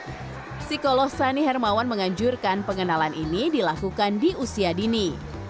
psikolog sani hermawan menganjurkan pengenalan ini dilakukan di usia dini